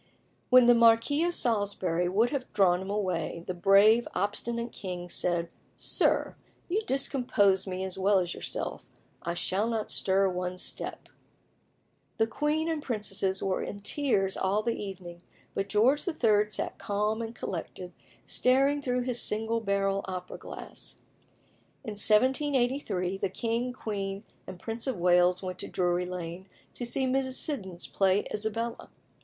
When the Marquis of Salisbury would have drawn him away, the brave, obstinate king said "Sir, you discompose me as well as yourself: I shall not stir one step." The queen and princesses were in tears all the evening, but George III. sat calm and collected, staring through his single barrel opera glass. In 1783 the king, queen, and Prince of Wales went to Drury Lane to see Mrs. Siddons play Isabella.